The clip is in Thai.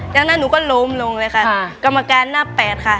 จากนั้นหนูก็ล้มลงเลยค่ะกรรมการหน้าแปดค่ะ